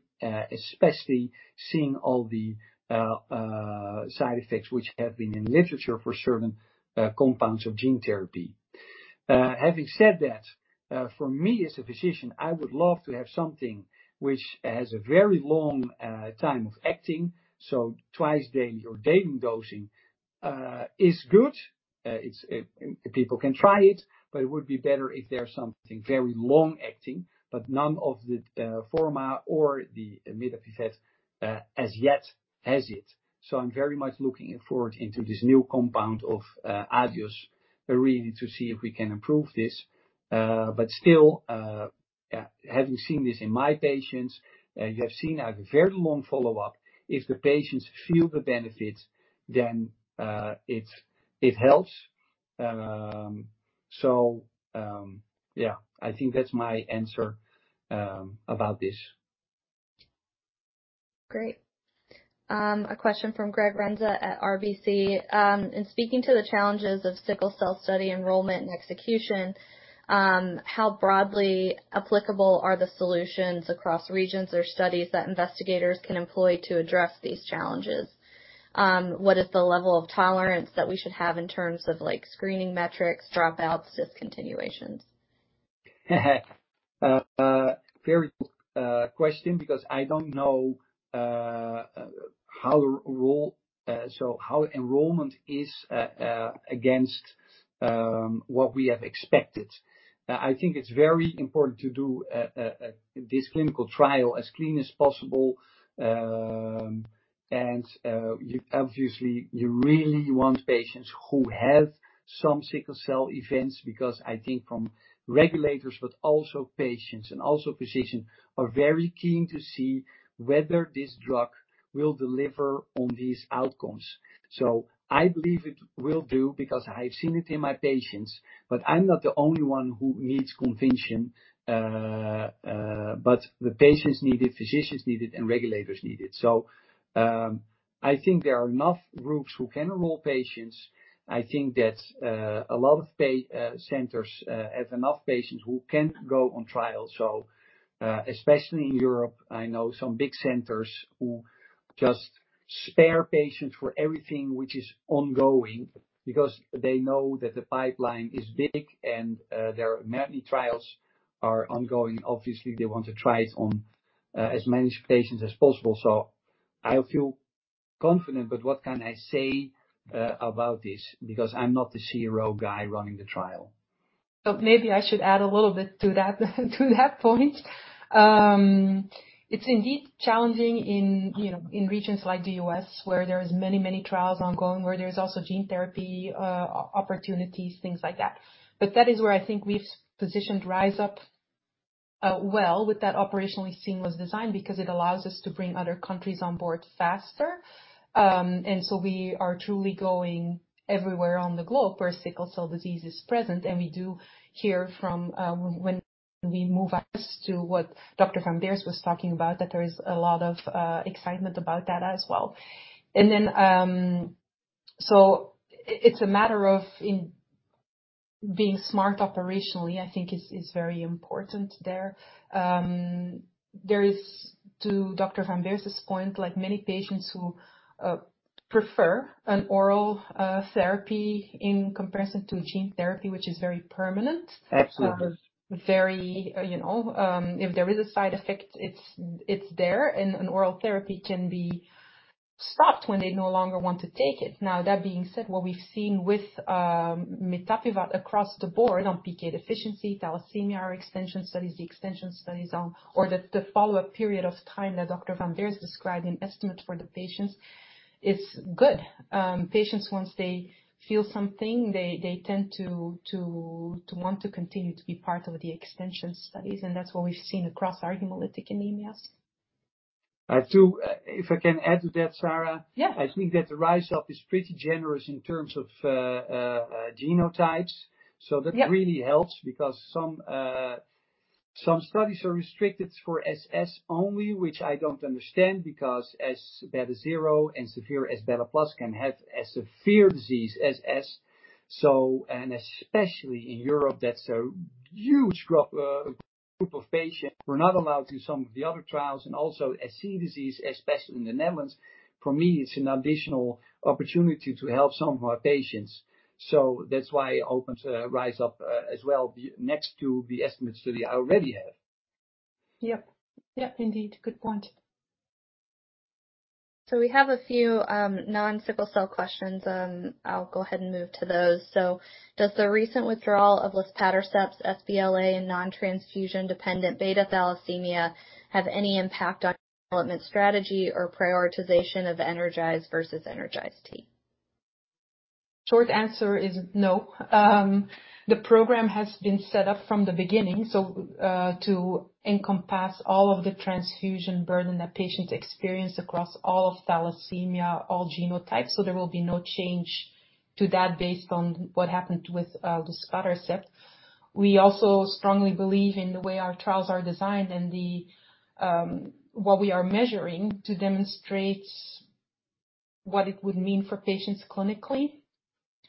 especially seeing all the side effects which have been in literature for certain complications of gene therapy. Having said that, for me as a physician, I would love to have something which has a very long time of acting. Twice daily or daily dosing is good. It's people can try it, but it would be better if there's something very long-acting. None of the Forma or the mitapivat as yet has it. I'm very much looking forward to this new compound of Agios, really to see if we can improve this. Having seen this in my patients, you have seen a very long follow-up. If the patients feel the benefits then, it helps. Yeah. I think that's my answer about this. Great. A question from Gregory Renza at RBC. In speaking to the challenges of sickle cell study enrollment and execution, how broadly applicable are the solutions across regions or studies that investigators can employ to address these challenges? What is the level of tolerance that we should have in terms of like screening metrics, dropouts, discontinuations? Very good question because I don't know how enrollment is against what we have expected. I think it's very important to do this clinical trial as clean as possible. You obviously really want patients who have some sickle cell events because I think from regulators, but also patients and also physicians are very keen to see whether this drug will deliver on these outcomes. I believe it will do because I've seen it in my patients, but I'm not the only one who needs conviction. The patients need it, physicians need it, and regulators need it. I think there are enough groups who can enroll patients. I think that a lot of centers have enough patients who can go on trial. especially in Europe, I know some big centers who just spare patients for everything which is ongoing because they know that the pipeline is big and, there are many trials are ongoing. Obviously, they want to try it on, as many patients as possible. I feel confident. What can I say, about this? Because I'm not the CRO guy running the trial. Maybe I should add a little bit to that, to that point. It's indeed challenging in, you know, in regions like the U.S. where there is many trials ongoing, where there's also gene therapy opportunities, things like that. That is where I think we've positioned RISE UP well with that operationally seamless design because it allows us to bring other countries on board faster. We are truly going everywhere on the globe where sickle cell disease is present. We do hear from when we move to what Dr. van Beers was talking about, that there is a lot of excitement about that as well. It's a matter of being smart operationally, I think is very important there. There is to Dr. van Beers's point, like many patients who prefer an oral therapy in comparison to gene therapy, which is very permanent. Absolutely. you know, if there is a side effect, it's there and an oral therapy can be stopped when they no longer want to take it. Now, that being said, what we've seen with mitapivat across the board on PK deficiency, thalassemia extension studies, the extension studies, or the follow-up period of time that Dr. van Beers described in ESTIMATE for the patients is good. Patients, once they feel something, they tend to want to continue to be part of the extension studies, and that's what we've seen across our hemolytic anemias. If I can add to that, Sarah. Yeah. I think that the RISE UP is pretty generous in terms of genotypes. Yeah. That really helps because some studies are restricted for SS only, which I don't understand because S beta zero and severe S beta plus can have as severe disease as SS. Especially in Europe, that's a huge group of patients who are not allowed to some of the other trials and also SC disease, especially in the Netherlands. For me, it's an additional opportunity to help some of our patients. That's why I opened a RISE UP as well, next to the ESTIMATE study I already have. Yep. Yep, indeed. Good point. We have a few non-sickle cell questions. I'll go ahead and move to those. Does the recent withdrawal of luspatercept SBLA in non-transfusion-dependent beta thalassemia have any impact on development strategy or prioritization of the ENERGIZE versus ENERGIZE-T? Short answer is no. The program has been set up from the beginning, so to encompass all of the transfusion burden that patients experience across all of thalassemia, all genotypes. There will be no change to that based on what happened with luspatercept. We also strongly believe in the way our trials are designed and what we are measuring to demonstrate what it would mean for patients clinically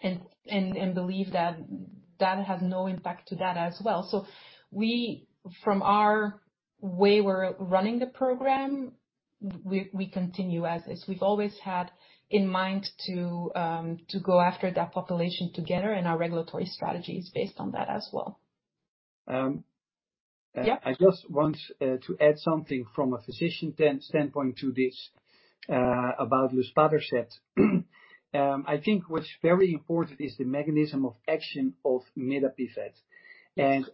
and believe that that has no impact to that as well. From the way we're running the program, we continue as is. We've always had in mind to go after that population together, and our regulatory strategy is based on that as well. Um. Yeah. I just want to add something from a physician standpoint to this, about luspatercept. I think what's very important is the mechanism of action of mitapivat and,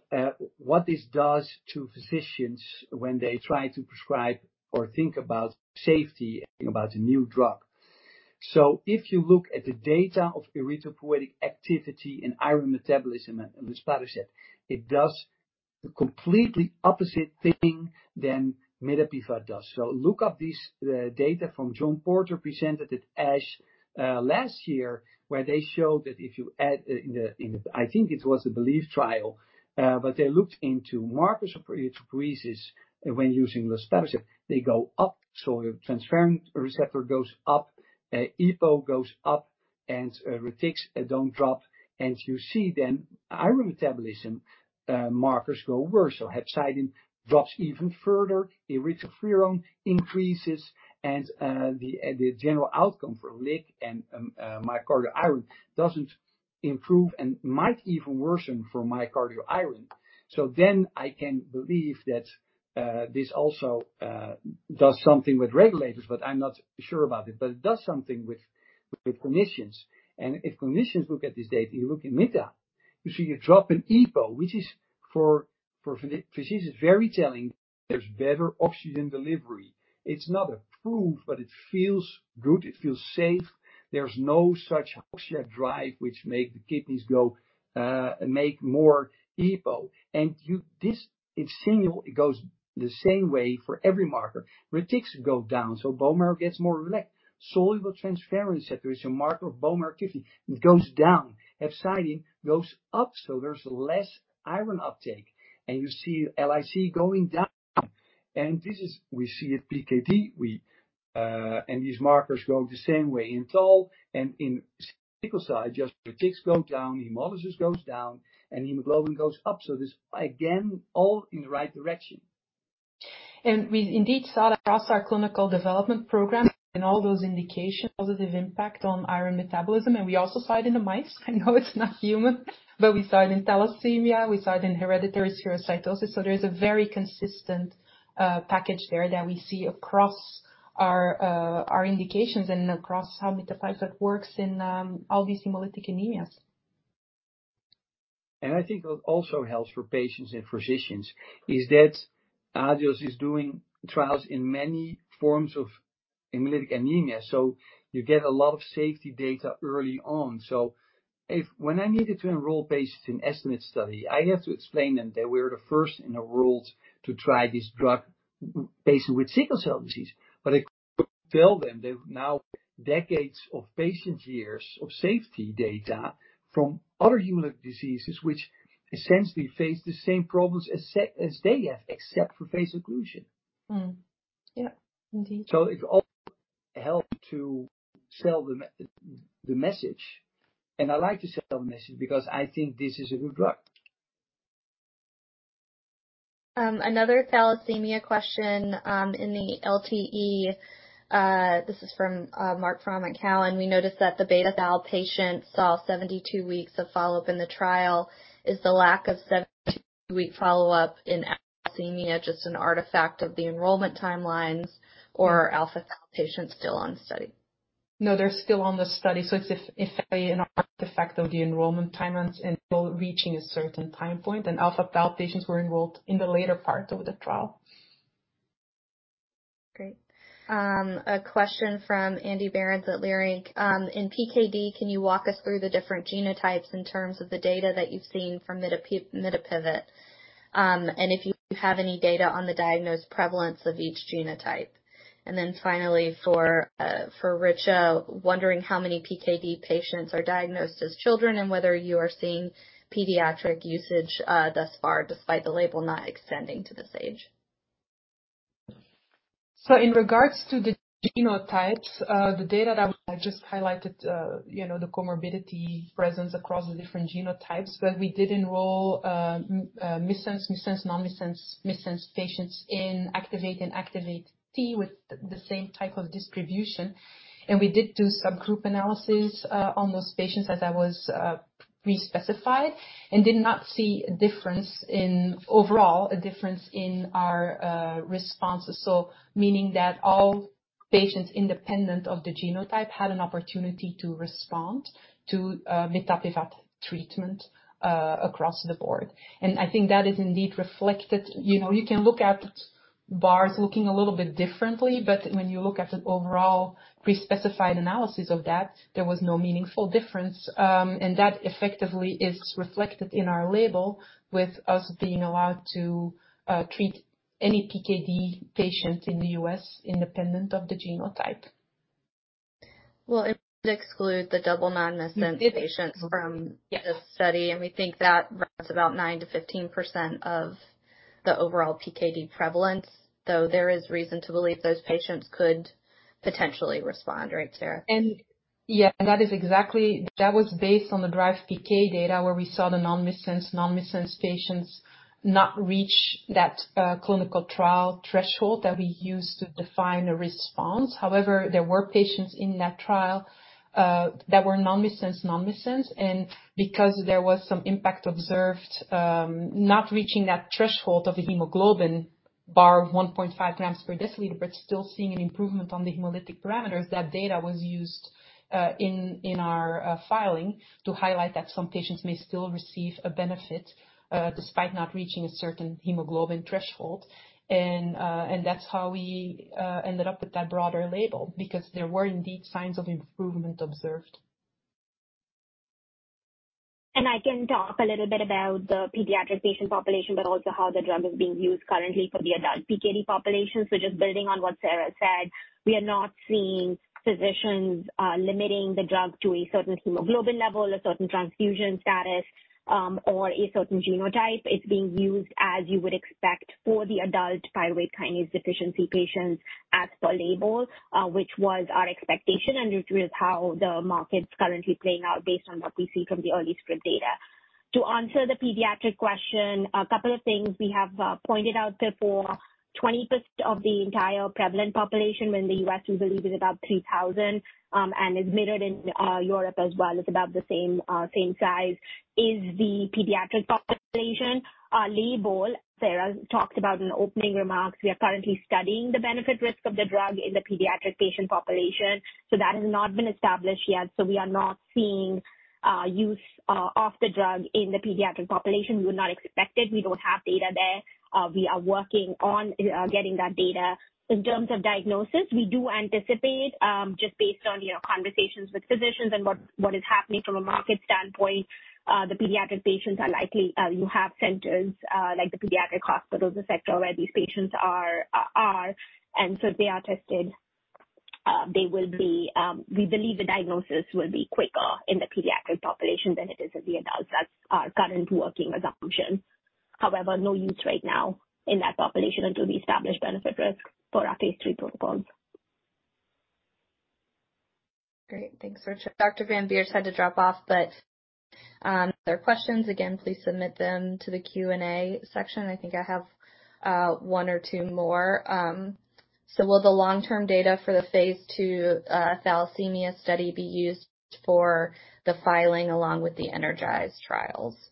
what this does to physicians when they try to prescribe or think about safety, about a new drug. If you look at the data of erythropoietic activity and iron metabolism in luspatercept, it does the completely opposite thing than mitapivat does. Look up the data from John Porter presented at ASH last year, where they showed I think it was the BELIEVE trial, but they looked into markers of erythropoiesis when using luspatercept, they go up. Your transferrin receptor goes up, EPO goes up, and retics don't drop. You see then iron metabolism markers go worse. Hepcidin drops even further, erythropoietin increases, and the general outcome for LIC and myocardial iron doesn't improve and might even worsen for myocardial iron. I can believe that this also does something with regulators, but I'm not sure about it, but it does something with clinicians. If clinicians look at this data and you look in meta, you see a drop in EPO, which is for physicians, very telling there's better oxygen delivery. It's not a proof, but it feels good, it feels safe. There's no such oxygen drive which make the kidneys go, make more EPO. This signal, it goes the same way for every marker. Retics go down, so bone marrow gets more relaxed. Soluble transferrin receptor is a marker of bone marrow activity. It goes down. Hepcidin goes up, so there's less iron uptake. You see LIC going down. We see at PKD these markers go the same way in thal and in sickle cell, just retics go down, hemolysis goes down, and hemoglobin goes up. This, again, all in the right direction. We indeed saw that across our clinical development program in all those indications, positive impact on iron metabolism. We also saw it in the mice. I know it's not human, but we saw it in thalassemia, we saw it in hereditary spherocytosis. There is a very consistent package there that we see across our indications and across how mitapivat works in all these hemolytic anemias. I think what also helps for patients and physicians is that Agios is doing trials in many forms of hemolytic anemia, so you get a lot of safety data early on. When I needed to enroll patients in ESTIMATE study, I have to explain them that we're the first in the world to try this drug basically with sickle cell disease. I could tell them that now decades of patient years of safety data from other hemolytic diseases which essentially face the same problems as they have, except for vaso-occlusion. Yeah. Indeed. It's all. Help to sell the message. I like to sell the message because I think this is a good drug. Another thalassemia question in the LTE. This is from Marc Frahm at TD Cowen. We noticed that the beta thal patients saw 72 weeks of follow-up in the trial. Is the lack of 72-week follow-up in thalassemia just an artifact of the enrollment timelines, or are alpha thal patients still on study? No, they're still on the study. It's effectively an artifact of the enrollment timelines and still reaching a certain time point. Alpha thal patients were enrolled in the later part of the trial. Great. A question from Andrew Berens at Leerink Partners. In PKD, can you walk us through the different genotypes in terms of the data that you've seen from mitapivat? If you have any data on the diagnosed prevalence of each genotype. Then finally for Richa, wondering how many PKD patients are diagnosed as children and whether you are seeing pediatric usage thus far, despite the label not extending to this age. In regards to the genotypes, the data that I just highlighted, you know, the comorbidity presence across the different genotypes, but we did enroll missense, non-missense patients in ACTIVATE and ACTIVATE-T with the same type of distribution. We did do subgroup analysis on those patients as I was pre-specified, and did not see a difference overall in our responses. Meaning that all patients independent of the genotype had an opportunity to respond to mitapivat treatment across the board. I think that is indeed reflected. You know, you can look at bars looking a little bit differently, but when you look at the overall pre-specified analysis of that, there was no meaningful difference. That effectively is reflected in our label with us being allowed to treat any PKD patient in the U.S. independent of the genotype. Well, it would exclude the double non-missense patients from. Yes. The study, and we think that runs about 9%-15% of the overall PKD prevalence, though there is reason to believe those patients could potentially respond. Right, Sarah? That is exactly. That was based on the DRIVE PK data where we saw the non-missense patients not reach that clinical trial threshold that we use to define a response. However, there were patients in that trial that were non-missense. Because there was some impact observed, not reaching that threshold of the hemoglobin by 1.5 g/dL, but still seeing an improvement on the hemolytic parameters, that data was used in our filing to highlight that some patients may still receive a benefit despite not reaching a certain hemoglobin threshold. That's how we ended up with that broader label because there were indeed signs of improvement observed. I can talk a little bit about the pediatric patient population, but also how the drug is being used currently for the adult PKD population. Just building on what Sarah said. We are not seeing physicians limiting the drug to a certain hemoglobin level, a certain transfusion status, or a certain genotype. It's being used as you would expect for the adult pyruvate kinase deficiency patients as per label, which was our expectation and which is how the market's currently playing out based on what we see from the early script data. To answer the pediatric question, a couple of things we have pointed out before. 20% of the entire prevalent population in the US, we believe is about 3,000, and is mirrored in Europe as well, it's about the same size is the pediatric population. The label Sarah talked about in opening remarks. We are currently studying the benefit-risk of the drug in the pediatric patient population, so that has not been established yet. We are not seeing use of the drug in the pediatric population. We would not expect it. We don't have data there. We are working on getting that data. In terms of diagnosis, we do anticipate just based on you know conversations with physicians and what is happening from a market standpoint the pediatric patients are likely you have centers like the pediatric hospitals et cetera where these patients are. If they are tested. We believe the diagnosis will be quicker in the pediatric population than it is in the adults. That's our current working assumption. However, no use right now in that population until we establish benefit risk for our Phase 3 protocols. Great. Thanks, Richa. Dr. van Beers had to drop off, but other questions, again, please submit them to the Q&A section. I think I have one or two more. Will the long-term data for the phase II thalassemia study be used for the filing along with the ENERGIZE trials?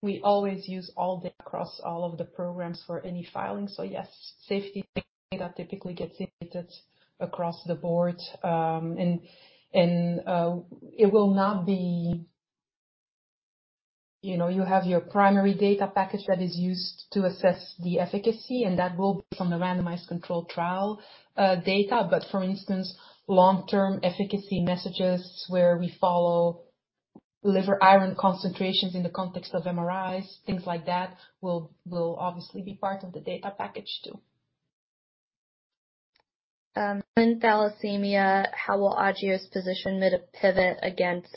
We always use all data across all of the programs for any filing. Yes, safety data typically gets submitted across the board. You know, you have your primary data package that is used to assess the efficacy, and that will be from the randomized controlled trial data. For instance, long-term efficacy messages where we follow liver iron concentrations in the context of MRIs, things like that will obviously be part of the data package too. In thalassemia, how will Agios position mitapivat against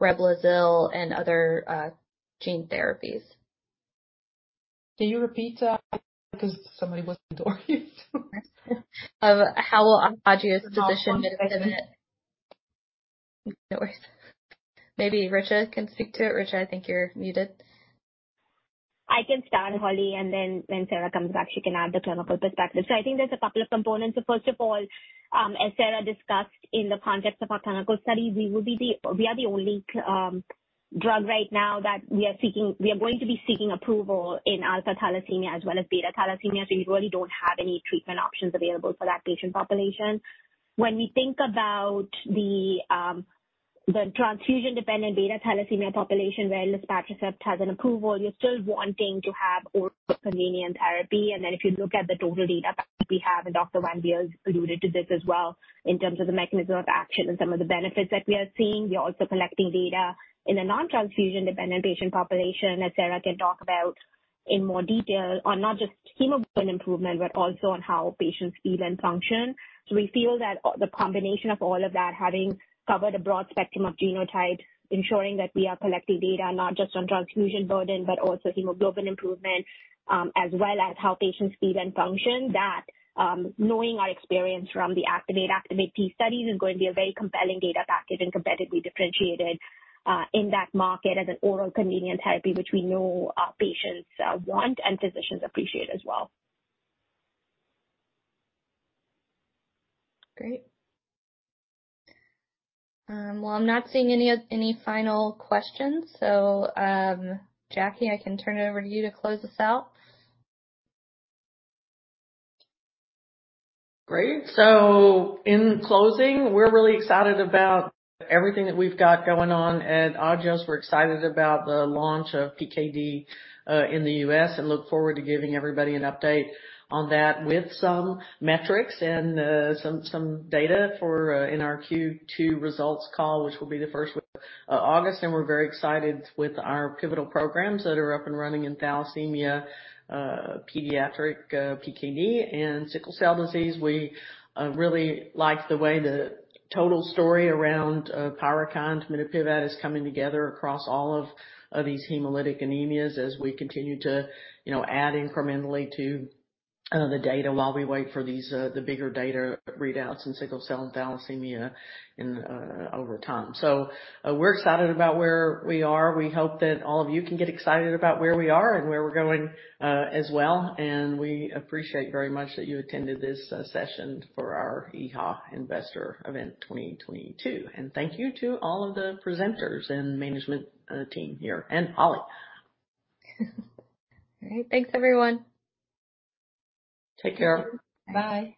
Reblozyl and other gene therapies? Can you repeat that? Because somebody walked in the door. Of how will Aduro's position. Oh, one second. No worries. Maybe Richa can speak to it. Richa, I think you're muted. I can start, Holly, and then when Sarah comes back, she can add the clinical perspective. I think there's a couple of components. First of all, as Sarah discussed in the context of our clinical study, We are the only drug right now that we are seeking. We are going to be seeking approval in alpha thalassemia as well as beta thalassemia. You really don't have any treatment options available for that patient population. When we think about the transfusion-dependent beta thalassemia population where Luspatercept has an approval, you're still wanting to have oral convenient therapy. If you look at the total data package we have, and Dr. van Beers alluded to this as well, in terms of the mechanism of action and some of the benefits that we are seeing. We are also collecting data in a non-transfusion dependent patient population that Sarah can talk about in more detail on not just hemoglobin improvement, but also on how patients feel and function. We feel that the combination of all of that, having covered a broad spectrum of genotypes, ensuring that we are collecting data not just on transfusion burden, but also hemoglobin improvement, as well as how patients feel and function. That, knowing our experience from the ACTIVATE-T studies is going to be a very compelling data package and competitively differentiated in that market as an oral convenient therapy, which we know our patients want and physicians appreciate as well. Great. Well, I'm not seeing any final questions, so, Jackie, I can turn it over to you to close this out. Great. In closing, we're really excited about everything that we've got going on at Agios. We're excited about the launch of PKD in the U.S. and look forward to giving everybody an update on that with some metrics and some data in our Q2 results call, which will be the first week of August. We're very excited with our pivotal programs that are up and running in thalassemia, pediatric PKD and sickle cell disease. We really like the way the whole story around PYRUKYND mitapivat is coming together across all of these hemolytic anemias as we continue to, you know, add incrementally to the data while we wait for these the bigger data readouts in sickle cell and thalassemia over time. We're excited about where we are. We hope that all of you can get excited about where we are and where we're going, as well. We appreciate very much that you attended this session for our EHA Investor Event 2022. Thank you to all of the presenters and management team here and Holly. All right. Thanks everyone. Take care. Bye.